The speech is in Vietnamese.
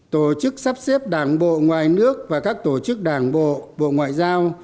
tổ chức sắp xếp đảng bộ ngoài nước và các tổ chức đảng bộ bộ ngoại giao